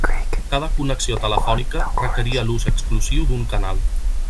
Cada connexió telefònica requeria l'ús exclusiu d'un canal.